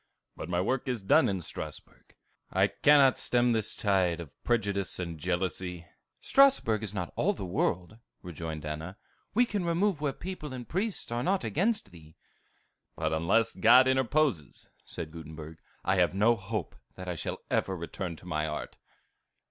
"But my work is done in Strasbourg. I cannot stem this tide of prejudice and jealousy." "Strasbourg is not all the world," rejoined Anna. "We can remove where people and priests are not against thee." "But unless God interposes," said Gutenberg, "I have no hope that I shall ever return to my art."